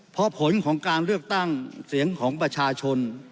พอผลของการเลือกตั้งเสียงของประชาชน